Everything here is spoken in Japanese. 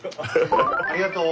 ありがとう。